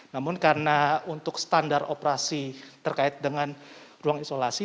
namun karena untuk standar operasi terkait dengan ruang isolasi